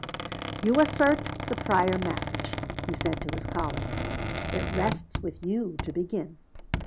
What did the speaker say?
"You assert the prior marriage," he said to his colleague. "It rests with you to begin."